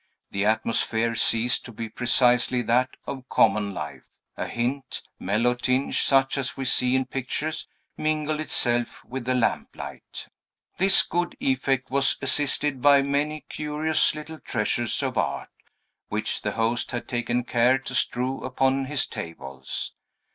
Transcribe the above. The atmosphere ceased to be precisely that of common life; a hint, mellow tinge, such as we see in pictures, mingled itself with the lamplight. This good effect was assisted by many curious little treasures of art, which the host had taken care to strew upon his tables.